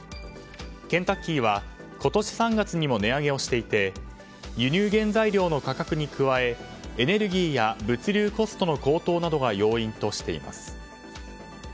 ケンタッキーは今年３月にも値上げをしていて輸入原材料の価格に加えエネルギーや物流コストの高騰などが要因としています。